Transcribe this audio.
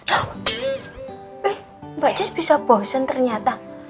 eh mbak jis bisa bosen ternyata